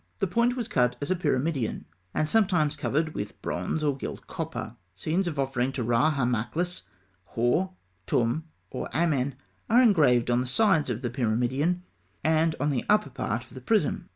The point was cut as a pyramidion, and sometimes covered with bronze or gilt copper. Scenes of offerings to Ra Harmakhis, Hor, Tûm, or Amen are engraved on the sides of the pyramidion and on the upper part of the prism.